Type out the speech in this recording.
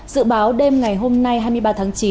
dự báo đêm ngày hôm nay hai mươi ba tháng chín